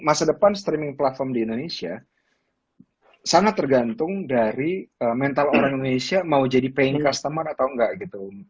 masa depan streaming platform di indonesia sangat tergantung dari mental orang indonesia mau jadi paying customer atau enggak gitu